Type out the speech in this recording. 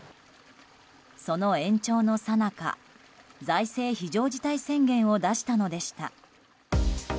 その延長のさなか財政非常事態宣言を出したのでした。